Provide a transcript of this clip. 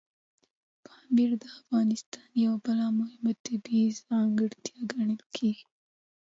پامیر د افغانستان یوه بله مهمه طبیعي ځانګړتیا ګڼل کېږي.